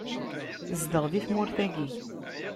Zdeɣ di tmurt-agi.